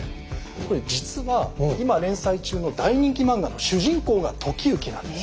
これ実は今連載中の大人気漫画の主人公が時行なんです。